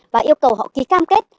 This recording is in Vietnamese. và yêu cầu họ ký cam kết